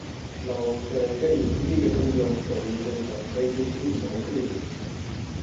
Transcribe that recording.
路上職業司機嘅工作重要性同飛機師冇分別